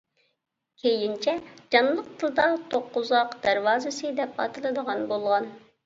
كېيىنچە جانلىق تىلدا توققۇزاق دەرۋازىسى دەپ ئاتىلىدىغان بولغان.